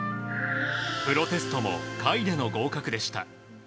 プロテストも下位での合格でした。